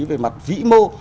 về mặt vĩ mô